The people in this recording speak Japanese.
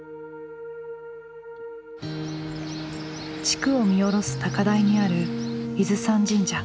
地区を見下ろす高台にある伊豆山神社。